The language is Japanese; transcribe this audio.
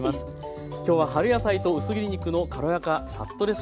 今日は「春野菜と薄切り肉の軽やかサッとレシピ」